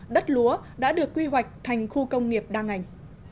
đất lúa đã được quy hoạch thành khu công nghiệp đa ngành